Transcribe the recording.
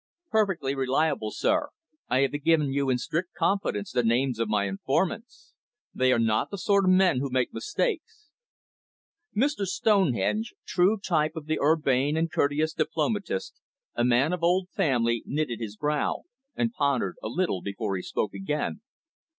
"Perfectly reliable, sir. I have given you in strict confidence the names of my informants. They are not the sort of men who make mistakes." Mr Stonehenge, true type of the urbane and courteous diplomatist, a man of old family, knitted his brow, and pondered a little before he spoke again.